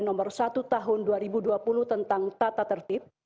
nomor satu tahun dua ribu dua puluh tentang tata tertib